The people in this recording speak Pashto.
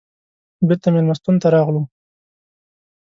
بېرته مېلمستون ته راغلو.